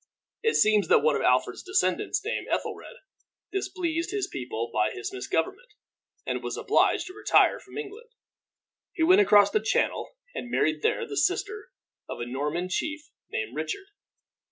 It seems that one of Alfred's descendants, named Ethelred, displeased his people by his misgovernment, and was obliged to retire from England. He went across the Channel, and married there the sister of a Norman chief named Richard.